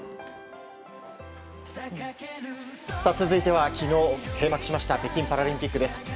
続いては、昨日閉幕しました北京パラリンピックです。